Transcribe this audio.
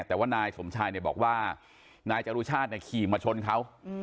แต่ว่านายสมชายเนี่ยบอกว่านายจรุชชาติเนี่ยขี่มาชนเขา